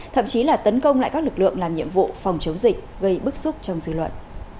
thậm chí là tấn công lại các lực lượng làm nhiệm vụ phòng chống dịch gây bức xúc trong dư luận